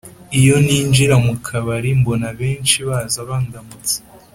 iyo ninjira mu kabarimbona benshi baza bandbamutsa,